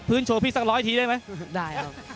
โชว์พี่สักร้อยทีได้ไหมได้ครับ